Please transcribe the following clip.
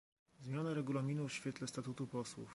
Zmiana Regulaminu w świetle Statutu posłów